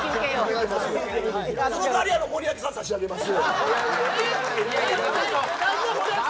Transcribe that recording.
その代わり、森脇さんは差し上げます。